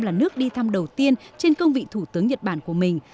là nước đi thăm đầu tiên trên công vị thủ tướng nhật bản của mình